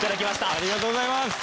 ありがとうございます。